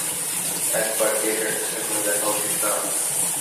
একবার কি এটার চেষ্টা করে দেখা উচিত না?